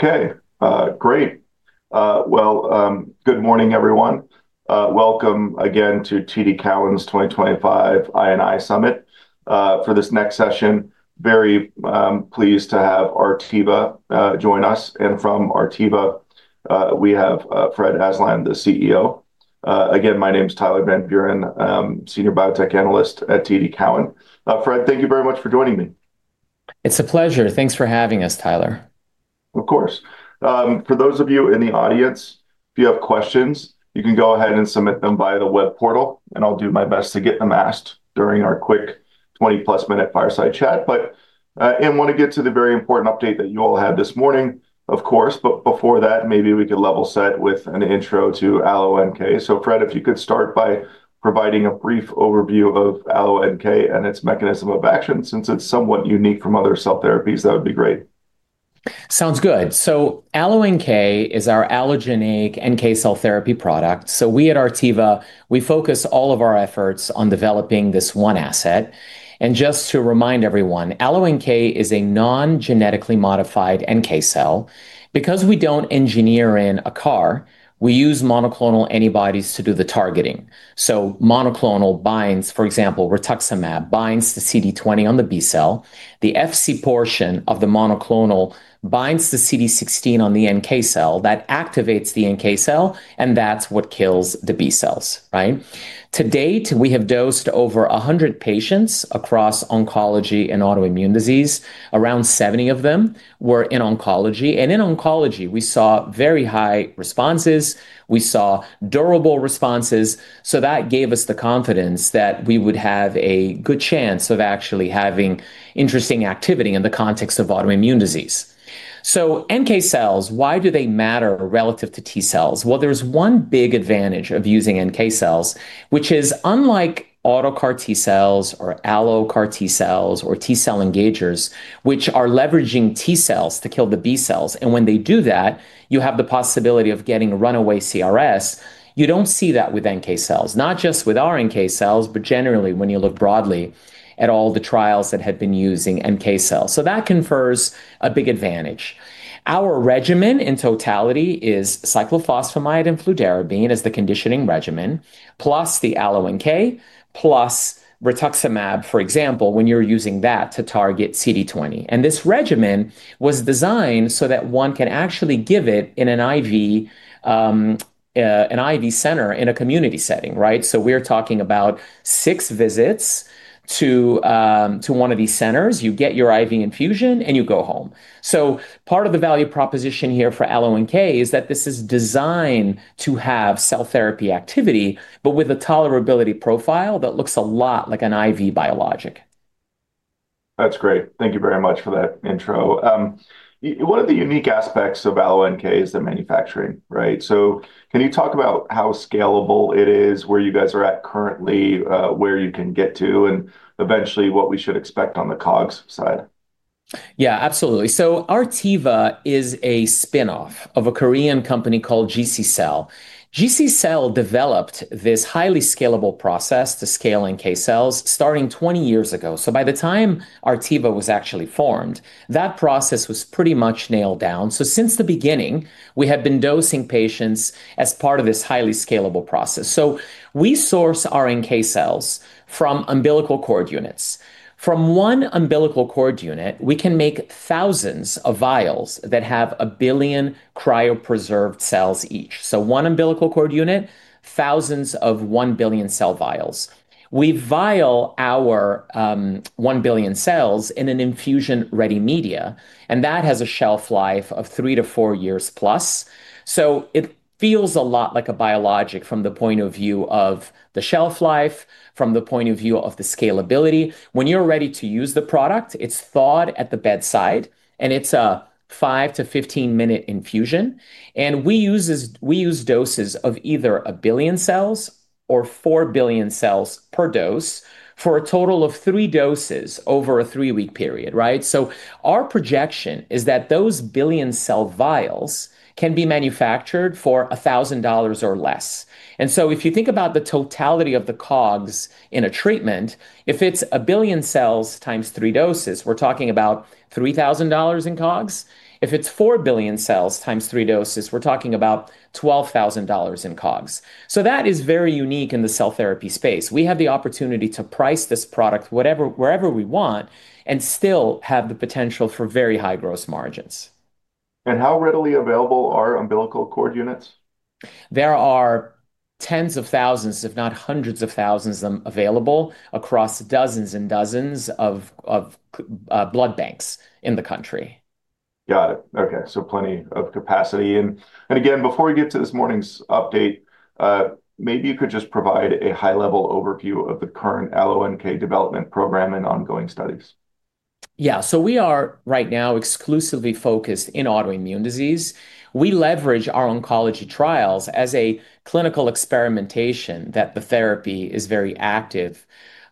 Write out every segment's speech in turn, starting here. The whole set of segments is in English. Okay, great. Good morning, everyone. Welcome again to TD Cowen's 2025 I&I Summit. For this next session, very pleased to have Artiva join us. From Artiva, we have Fred Aslan, the CEO. Again, my name's Tyler Van Buren, Senior Biotech Analyst at TD Cowen. Fred, thank you very much for joining me. It's a pleasure. Thanks for having us, Tyler. Of course. For those of you in the audience, if you have questions, you can go ahead and submit them via the web portal, and I'll do my best to get them asked during our quick 20-plus minute fireside chat. I want to get to the very important update that you all had this morning, of course. Before that, maybe we could level set with an intro to AlloNK. Fred, if you could start by providing a brief overview of AlloNK and its mechanism of action, since it's somewhat unique from other cell therapies, that would be great. Sounds good. AlloNK is our allogeneic NK cell therapy product. We at Artiva, we focus all of our efforts on developing this one asset. Just to remind everyone, AlloNK is a non-genetically modified NK cell. Because we do not Engineer in a CAR, we use Monoclonal antibodies to do the targeting. Monoclonal binds, for example, Rtuximab binds to CD20 on the B cell. The Fc portion of the monoclonal binds to CD16 on the NK cell that activates the NK cell, and that is what kills the B cells, right? To date, we have dosed over 100 patients across oncology and autoimmune disease. Around 70 of them were in oncology. In oncology, we saw very high responses. We saw durable responses. That gave us the confidence that we would have a good chance of actually having interesting activity in the context of autoimmune disease. NK cells, why do they matter relative to T cells? There's one big advantage of using NK cells, which is, unlike autocar T cells or allocar T cells or T cell engagers, which are leveraging T cells to kill the B cells, and when they do that, you have the possibility of getting runaway CRS, you do not see that with NK cells, not just with our NK cells, but generally when you look broadly at all the trials that have been using NK cells. That confers a big advantage. Our regimen in totality is Cyclophosphamide and fludarabine as the conditioning regimen, plus the AlloNK, plus rituximab, for example, when you are using that to target CD20. This regimen was designed so that one can actually give it in an IV, an IV center in a community setting, right? We're talking about six visits to one of these centers. You get your IV infusion, and you go home. Part of the value proposition here for AlloNK is that this is designed to have cell therapy activity, but with a tolerability profile that looks a lot like an IV biologic. That's great. Thank you very much for that intro. One of the unique aspects of AlloNK is the manufacturing, right? Can you talk about how scalable it is, where you guys are at currently, where you can get to, and eventually what we should expect on the cogs side? Yeah, absolutely. Artiva is a spinoff of a Korean company called GC Cell. GC Cell developed this highly scalable process to scale NK cells starting 20 years ago. By the time Artiva was actually formed, that process was pretty much Nailed down. Since the beginning, we have been dosing patients as part of this highly scalable process. We source our NK cells from umbilical cord units. From one umbilical cord unit, we can make thousands of vials that have a billion Cryopreserved cells each. One umbilical cord unit, thousands of one billion cell vials. We vial our one billion cells in an infusion-ready media, and that has a shelf life of three to four years plus. It feels a lot like a biologic from the point of view of the shelf life, from the point of view of the scalability. When you're ready to use the product, it's thawed at the bedside, and it's a five to 15-minute infusion. We use doses of either a billion cells or four billion cells per dose for a total of three doses over a three-week period, right? Our projection is that those billion cell vials can be manufactured for $1,000 or less. If you think about the totality of the cogs in a treatment, if it's a billion cells times three doses, we're talking about $3,000 in cogs. If it's four billion cells times three doses, we're talking about $12,000 in cogs. That is very unique in the cell therapy space. We have the opportunity to price this product wherever we want and still have the potential for very high gross margins. How readily available are umbilical cord units? There are tens of thousands, if not hundreds of thousands of them available across dozens in dozens of blood banks in the country. Got it. Okay. So, plenty of capacity. And again, before we get to this morning's update, maybe you could just provide a high-level overview of the current AlloNK development program and ongoing studies. Yeah. We are right now exclusively focused in autoimmune disease. We leverage our oncology trials as a clinical experimentation that the therapy is very active,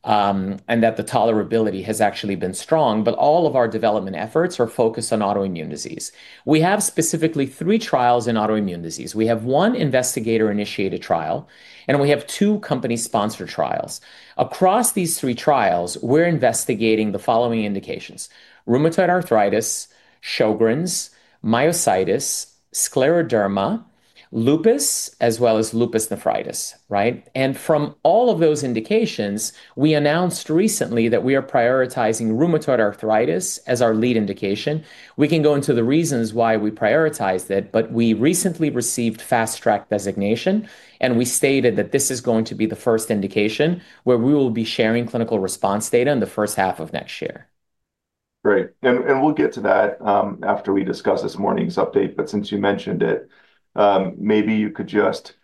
and that the tolerability has actually been strong. All of our development efforts are focused on autoimmune disease. We have specifically three trials in autoimmune disease. We have one investigator-initiated trial, and we have two company-sponsored trials. Across these three trials, we're investigating the following indications: rheumatoid arthritis, Sjogren's, Myositis, Scleroderma, Lupus, as well as lupus nephritis, right? From all of those indications, we announced recently that we are prioritizing rheumatoid arthritis as our lead indication. We can go into the reasons why we prioritized it, but we recently received Fast-Track Designation, and we stated that this is going to be the first indication where we will be sharing clinical response data in the first half of next year. Great. We'll get to that after we discuss this morning's update. Since you mentioned it, maybe you could just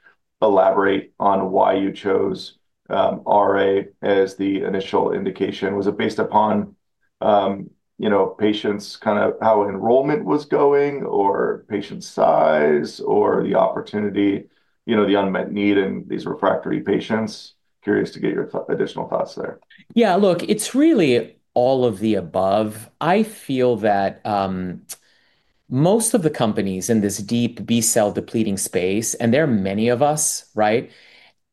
elaborate on why you chose RA as the initial indication. Was it based upon, you know, patients' kind of how enrollment was going or patient size or the opportunity, you know, the unmet need in these refractory patients? Curious to get your additional thoughts there. Yeah, look, it's really all of the above. I feel that, most of the companies in this deep B cell depleting space, and there are many of us, right?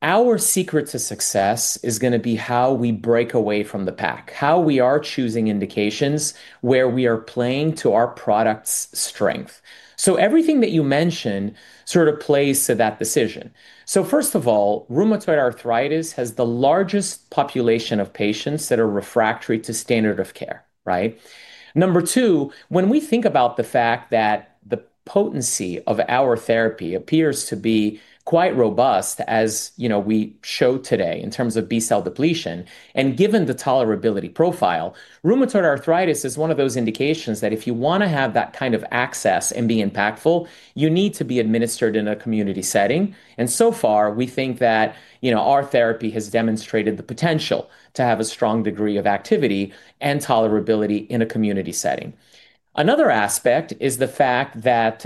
Our secret to success is going to be how we break away from the pack, how we are choosing indications where we are playing to our product's strength. Everything that you mentioned sort of plays to that decision. First of all, Rheumatoid arthritis has the largest population of patients that are refractory to standard of care, right? Number two, when we think about the fact that the potency of our therapy appears to be quite robust, as, you know, we showed today in terms of B cell depletion, and given the tolerability profile, Rheumatoid arthritis is one of those indications that if you want to have that kind of access and be impactful, you need to be administered in a community setting. So far, we think that, you know, our therapy has demonstrated the potential to have a strong degree of activity and tolerability in a community setting. Another aspect is the fact that,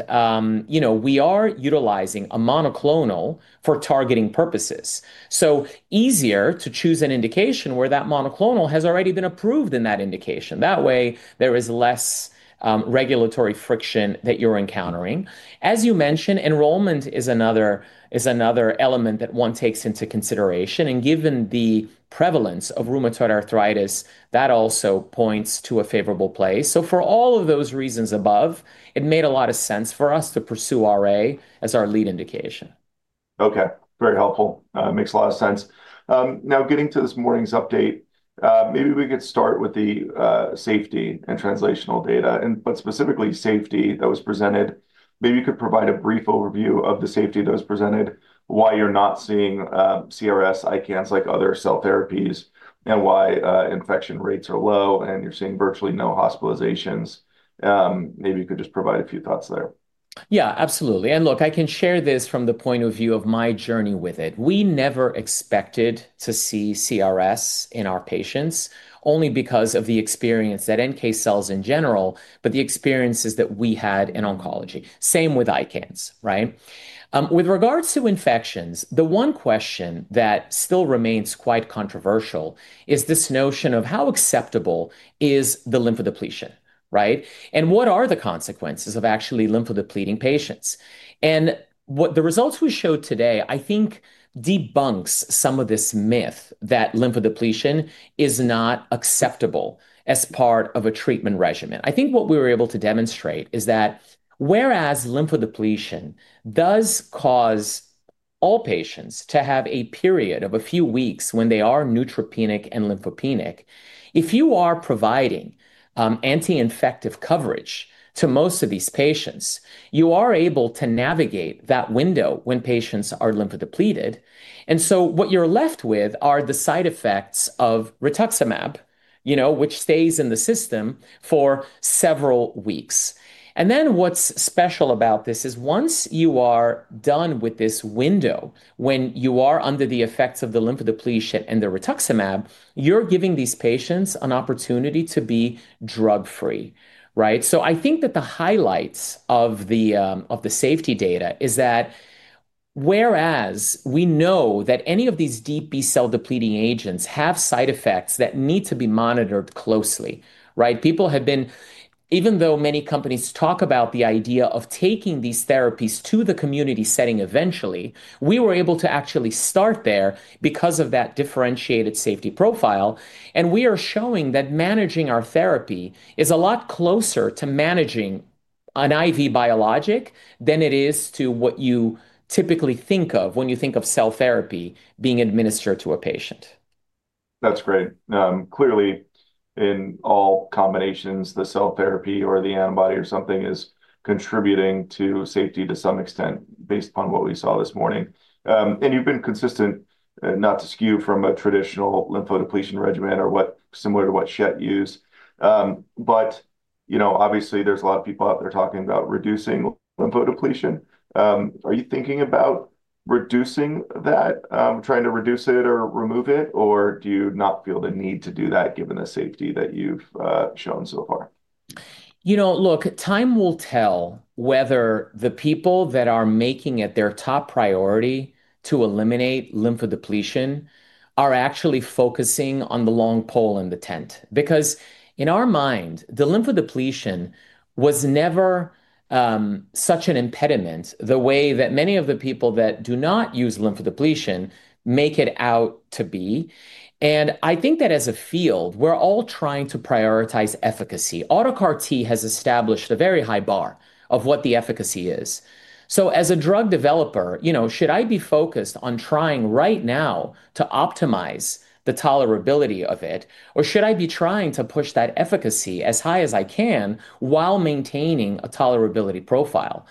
you know, we are utilizing a monoclonal for targeting purposes. Easier to choose an indication where that monoclonal has already been approved in that indication. That way, there is less regulatory friction that you're encountering. As you mentioned, enrollment is another element that one takes into consideration. Given the prevalence of Rheumatoid arthritis, that also points to a favorable place. For all of those reasons above, it made a lot of sense for us to pursue RA as our lead indication. Okay. Very helpful. Makes a lot of sense. Now getting to this morning's update, maybe we could start with the safety and translational data, and but specifically safety that was presented. Maybe you could provide a brief overview of the safety that was presented, why you're not seeing CRS, ICANS, like other cell therapies, and why infection rates are low and you're seeing virtually no hospitalizations. Maybe you could just provide a few thoughts there. Yeah, absolutely. Look, I can share this from the point of view of my journey with it. We never expected to see CRS in our patients only because of the experience that NK cells in general, but the experiences that we had in oncology. Same with ICANS, right? With regards to infections, the one question that still remains quite controversial is this notion of how acceptable is the lymphodepletion, right? And what are the consequences of actually lymphodepleting patients? What the results we showed today, I think, debunks some of this myth that lymphodepletion is not acceptable as part of a treatment regimen. I think what we were able to demonstrate is that whereas lymphodepletion does cause all patients to have a period of a few weeks when they are neutropenic and lymphopenic, if you are providing anti-infective coverage to most of these patients, you are able to navigate that window when patients are lymphodepleted. What you're left with are the side effects of rituximab, you know, which stays in the system for several weeks. What's special about this is once you are done with this window, when you are under the effects of the lymphodepletion and the rituximab, you're giving these patients an opportunity to be drug-free, right? I think that the highlights of the safety data is that whereas we know that any of these deep B cell depleting agents have side effects that need to be monitored closely, right? People have been, even though many companies talk about the idea of taking these therapies to the community setting eventually, we were able to actually start there because of that differentiated safety profile. We are showing that managing our therapy is a lot closer to managing an IV biologic than it is to what you typically think of when you think of cell therapy being administered to a patient. That's great. Clearly, in all combinations, the cell therapy or the antibody or something is contributing to safety to some extent based upon what we saw this morning. And you've been consistent, not to skew from a traditional lymphodepletion regimen or what, similar to what Shet used. But, you know, obviously there's a lot of people out there talking about reducing lymphodepletion. Are you thinking about reducing that, trying to reduce it or remove it, or do you not feel the need to do that given the safety that you've shown so far? You know, look, time will tell whether the people that are making it their top priority to eliminate lymphodepletion are actually focusing on the long pole in the tent. Because in our mind, the lymphodepletion was never, such an impediment the way that many of the people that do not use lymphodepletion make it out to be. I think that as a field, we're all trying to prioritize efficacy. Autocar T has established a very high bar of what the efficacy is. As a drug developer, you know, should I be focused on trying right now to optimize the tolerability of it, or should I be trying to push that efficacy as high as I can while maintaining a tolerability profile?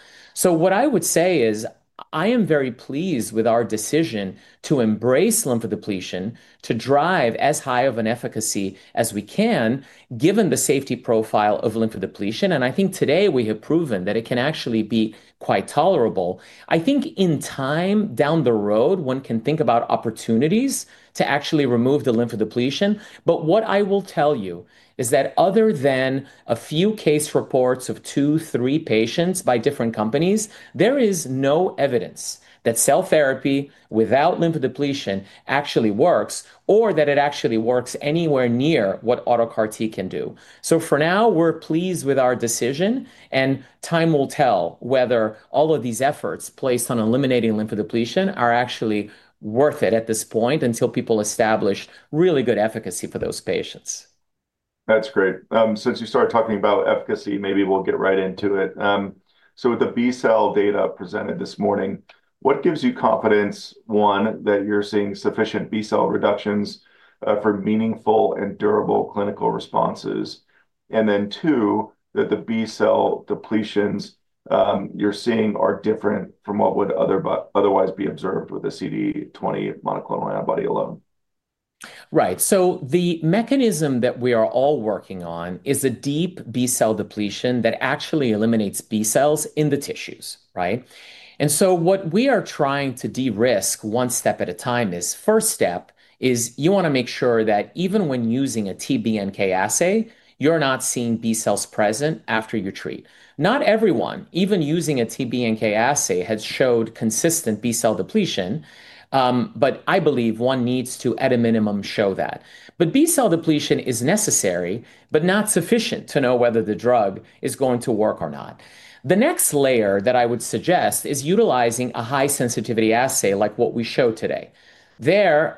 What I would say is I am very pleased with our decision to embrace lymphodepletion to drive as high of an efficacy as we can given the safety profile of lymphodepletion. I think today we have proven that it can actually be quite tolerable. I think in time down the road, one can think about opportunities to actually remove the lymphodepletion. What I will tell you is that other than a few case reports of two, three patients by different companies, there is no evidence that cell therapy without lymphodepletion actually works or that it actually works anywhere near what autocar can do. For now, we're pleased with our decision, and time will tell whether all of these efforts placed on eliminating lymphodepletion are actually worth it at this point until people establish really good efficacy for those patients. That's great. Since you started talking about efficacy, maybe we'll get right into it. So with the B cell data presented this morning, what gives you confidence, one, that you're seeing sufficient B cell reductions for meaningful and durable clinical responses, and then two, that the B cell depletions you're seeing are different from what would otherwise be observed with a CD20 monoclonal antibody alone? Right. The mechanism that we are all working on is a deep B cell depletion that actually eliminates B cells in the tissues, right? What we are trying to de-risk one step at a time is, first step is you want to make sure that even when using a TBNK assay, you're not seeing B cells present after you treat. Not everyone, even using a TBNK assay, has showed consistent B cell depletion. I believe one needs to, at a minimum, show that. B cell depletion is necessary, but not sufficient to know whether the drug is going to work or not. The next layer that I would suggest is utilizing a high sensitivity assay like what we showed today. There,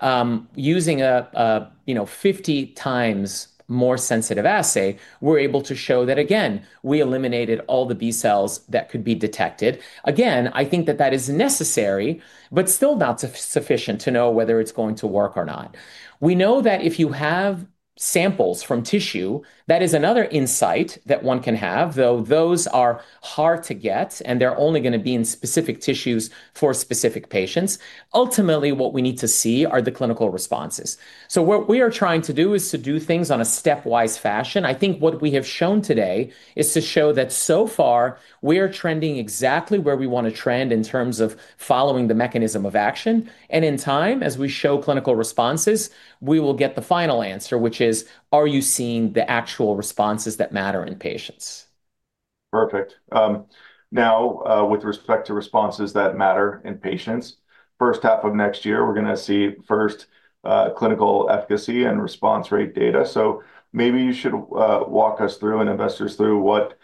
using a, you know, 50 times more sensitive assay, we're able to show that, again, we eliminated all the B cells that could be detected. Again, I think that that is necessary, but still not sufficient to know whether it's going to work or not. We know that if you have samples from tissue, that is another insight that one can have, though those are hard to get and they're only going to be in specific tissues for specific patients. Ultimately, what we need to see are the clinical responses. What we are trying to do is to do things on a stepwise fashion. I think what we have shown today is to show that so far we are trending exactly where we want to trend in terms of following the mechanism of action. In time, as we show clinical responses, we will get the final answer, which is, are you seeing the actual responses that matter in patients? Perfect. Now, with respect to responses that matter in patients, first half of next year, we're going to see first, clinical efficacy and response rate data. Maybe you should walk us through and investors through what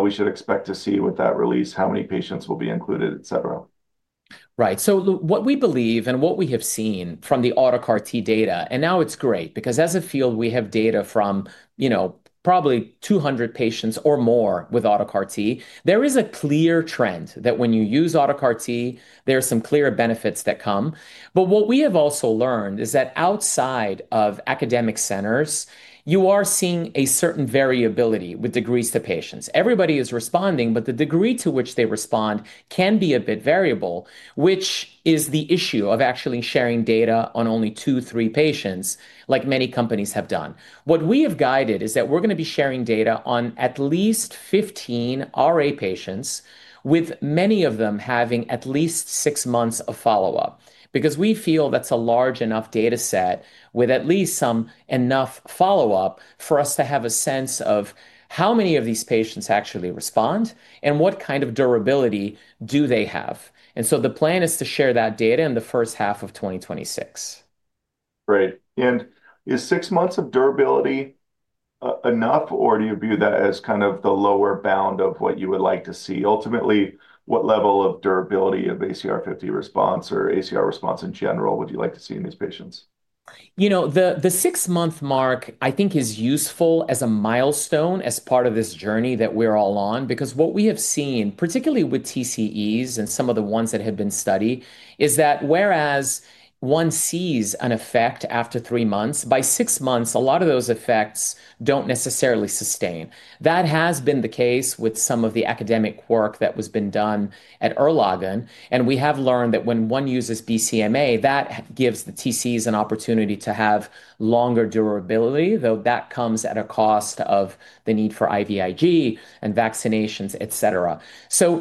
we should expect to see with that release, how many patients will be included, etc. Right. So, look, what we believe and what we have seen from the autocar CAR-T data, and now it's great because as a field, we have data from, you know, probably 200 patients or more with autocar CAR-T. There is a clear trend that when you use autocar CAR-T, there are some clear benefits that come. But what we have also learned is that outside of academic centers, you are seeing a certain variability with degrees to patients. Everybody is responding, but the degree to which they respond can be a bit variable, which is the issue of actually sharing data on only two, three patients, like many companies have done. What we have guided is that we're going to be sharing data on at least 15 RA patients, with many of them having at least six months of follow-up, because we feel that's a large enough data set with at least some enough follow-up for us to have a sense of how many of these patients actually respond and what kind of durability do they have. The plan is to share that data in the first half of 2026. Great. Is six months of durability enough, or do you view that as kind of the lower bound of what you would like to see? Ultimately, what level of durability of ACR 50 response or ACR response in general would you like to see in these patients? You know, the six-month mark, I think, is useful as a milestone as part of this journey that we're all on, because what we have seen, particularly with TCEs and some of the ones that have been studied, is that whereas one sees an effect after three months, by six months, a lot of those effects don't necessarily sustain. That has been the case with some of the Academic work that has been done at Erlangen. And we have learned that when one uses BCMA, that gives the TCEs an opportunity to have longer durability, though that comes at a cost of the need for IVIG and vaccinations, etc.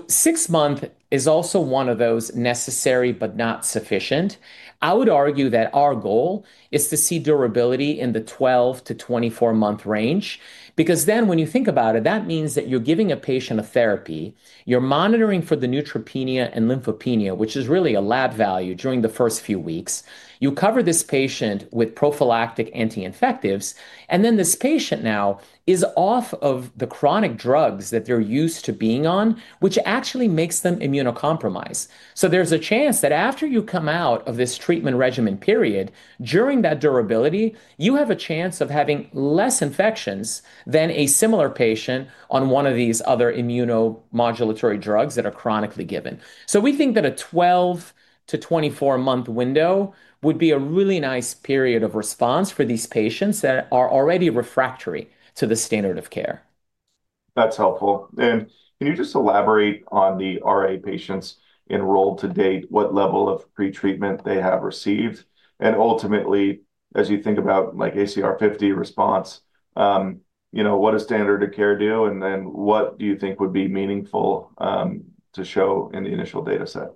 Six months is also one of those necessary, but not sufficient. I would argue that our goal is to see durability in the 12-24 month range, because then when you think about it, that means that you're giving a patient a therapy, you're monitoring for the neutropenia and lymphopenia, which is really a lab value during the first few weeks. You cover this patient with prophylactic Anti-infectives, and then this patient now is off of the chronic drugs that they're used to being on, which actually makes them immunocompromised. There is a chance that after you come out of this treatment regimen period, during that durability, you have a chance of having less infections than a similar patient on one of these other immunomodulatory drugs that are chronically given. We think that a 12-24 month window would be a really nice period of response for these patients that are already refractory to the standard of care. That's helpful. Can you just elaborate on the RA patients enrolled to date, what level of pretreatment they have received? Ultimately, as you think about, like, ACR 50 response, you know, what does standard of care do, and then what do you think would be meaningful to show in the initial data set?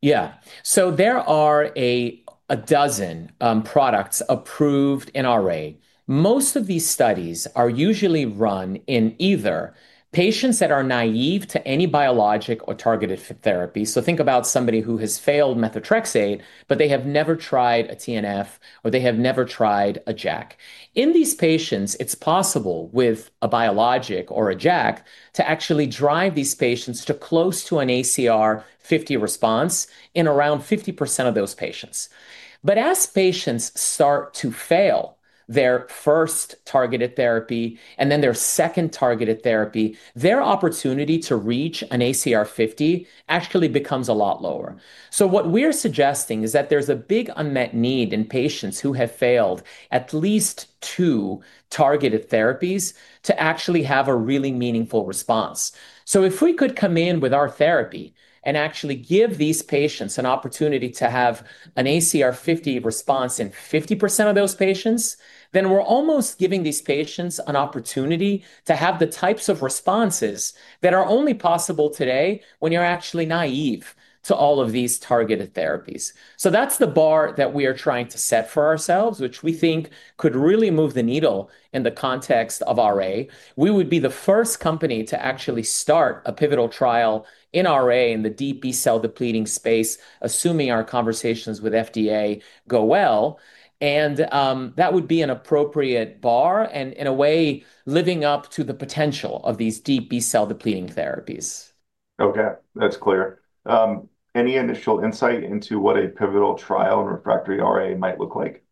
Yeah. So, there are a dozen products approved in RA. Most of these studies are usually run in either patients that are naive to any biologic or targeted therapy. So, think about somebody who has failed methotrexate, but they have never tried a TNF, or they have never tried a JAK. In these patients, it's possible with a biologic or a JAK to actually drive these patients to close to an ACR 50 response in around 50% of those patients. But as patients start to fail their first targeted therapy and then their second targeted therapy, their opportunity to reach an ACR 50 actually becomes a lot lower. So, what we are suggesting is that there's a big unmet need in patients who have failed at least two targeted therapies to actually have a really meaningful response. If we could come in with our therapy and actually give these patients an opportunity to have an ACR 50 response in 50% of those patients, then we're almost giving these patients an opportunity to have the types of responses that are only possible today when you're actually naive to all of these targeted therapies. That's the bar that we are trying to set for ourselves, which we think could really move the needle in the context of RA. We would be the first company to actually start a pivotal trial in RA in the deep B cell depleting space, assuming our conversations with FDA go well. That would be an appropriate bar and, in a way, living up to the potential of these deep B cell depleting therapies. Okay, that's clear. Any initial insight into what a pivotal trial in refractory RA might look like?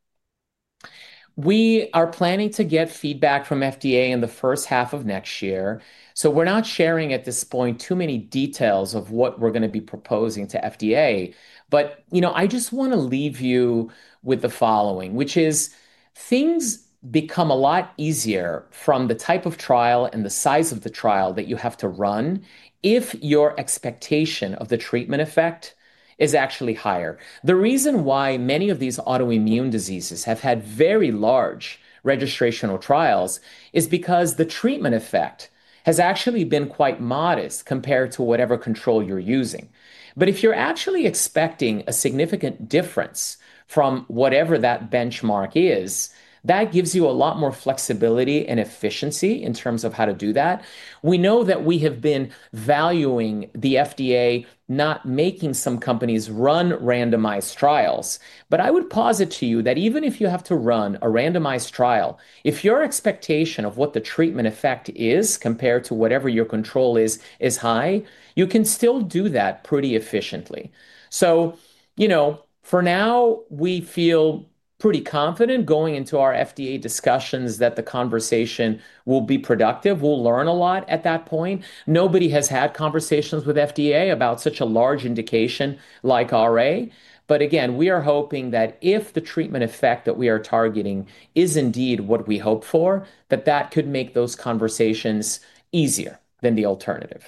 We are planning to get feedback from FDA in the first half of next year. So, we're not sharing at this point too many details of what we're going to be proposing to FDA. But, you know, I just want to leave you with the following, which is things become a lot easier from the type of trial and the size of the trial that you have to run if your expectation of the treatment effect is actually higher. The reason why many of these autoimmune diseases have had very large registrational trials is because the treatment effect has actually been quite modest compared to whatever control you're using. But if you're actually expecting a significant difference from whatever that benchmark is, that gives you a lot more flexibility and efficiency in terms of how to do that. We know that we have been valuing the FDA not making some companies run randomized trials, but I would posit to you that even if you have to run a randomized trial, if your expectation of what the treatment effect is compared to whatever your control is, is high, you can still do that pretty efficiently. So, you know, for now, we feel pretty confident going into our FDA discussions that the conversation will be productive. We'll learn a lot at that point. Nobody has had conversations with FDA about such a large indication like RA. But again, we are hoping that if the treatment effect that we are targeting is indeed what we hope for, that that could make those conversations easier than the alternative.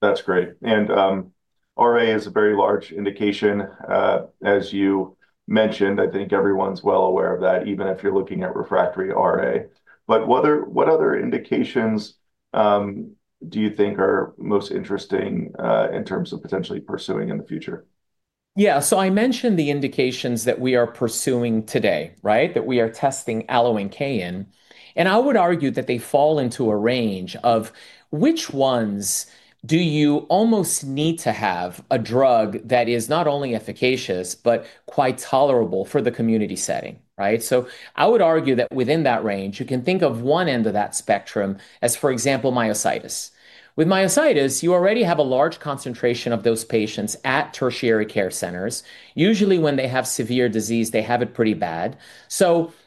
That's great. RA is a very large indication, as you mentioned. I think everyone's well aware of that, even if you're looking at refractory RA. What other indications do you think are most interesting, in terms of potentially pursuing in the future? Yeah. So, I mentioned the indications that we are pursuing today, right, that we are testing AlloNK in. And I would argue that they fall into a range of which ones do you almost need to have a drug that is not only efficacious, but quite tolerable for the community setting, right? I would argue that within that range, you can think of one end of that spectrum as, for example, Myositis. With myositis, you already have a large concentration of those patients at tertiary care centers. Usually, when they have severe disease, they have it pretty bad.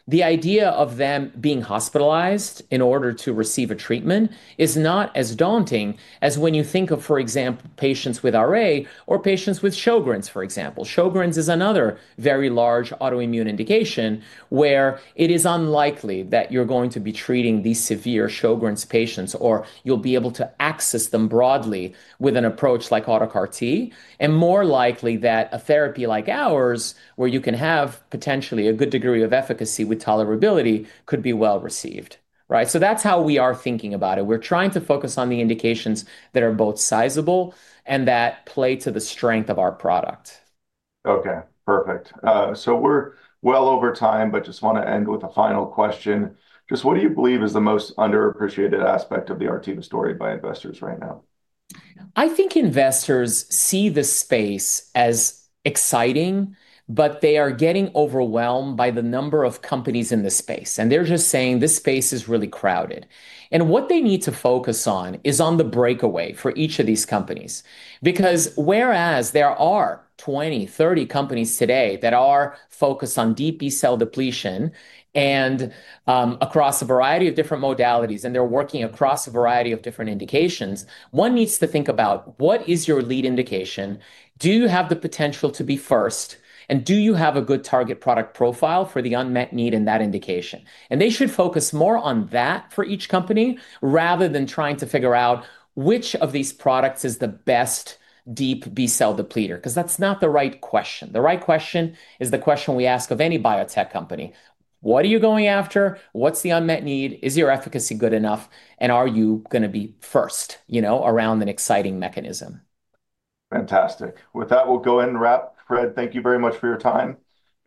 The idea of them being hospitalized in order to receive a treatment is not as daunting as when you think of, for example, patients with RA or patients with Sjogren's, for example. Sjogren's is another very large autoimmune indication where it is unlikely that you're going to be treating these severe Sjogren's patients or you'll be able to access them broadly with an approach like autocar CAR T, and more likely that a therapy like ours, where you can have potentially a good degree of efficacy with tolerability, could be well received, right? That is how we are thinking about it. We're trying to focus on the indications that are both Sizable and that play to the strength of our product. Okay, perfect. We are well over time, but just want to end with a final question. Just what do you believe is the most underappreciated aspect of the Artiva story by investors right now? I think investors see the space as exciting, but they are getting overwhelmed by the number of companies in this space. They're just saying this space is really crowded. What they need to focus on is on the breakaway for each of these companies. Whereas there are 20-30 companies today that are focused on deep B cell depletion and, across a variety of different modalities, and they're working across a variety of different indications, one needs to think about what is your lead indication. Do you have the potential to be first? Do you have a good target product profile for the unmet need in that indication? They should focus more on that for each company rather than trying to figure out which of these products is the best deep B cell Depleter, because that's not the right question. The right question is the question we ask of any biotech company. What are you going after? What's the unmet need? Is your efficacy good enough? Are you going to be first, you know, around an exciting mechanism? Fantastic. With that, we'll go and wrap. Fred, thank you very much for your time.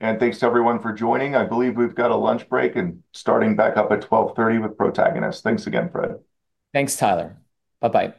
And thanks to everyone for joining. I believe we've got a lunch break and starting back up at 12:30 with Protagonist. Thanks again, Fred. Thanks, Tyler. Bye-bye.